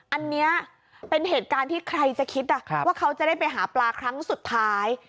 อันนี้เป็นเหตุการณ์ที่ใครจะคิดว่าเขาจะได้ไปหาปลาครั้งสุดท้าย